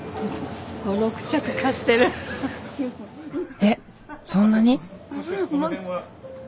えっそんなに？